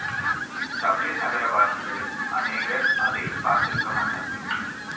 Dublin நகரவாசிகளின் அநேகர் அதைப் பார்த்திருக்கமாட்டார்கள்.